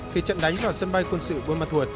khi trận đánh vào sân bay quân sự bươn mặt thuật